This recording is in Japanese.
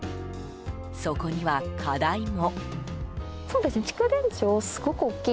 そこには、課題も。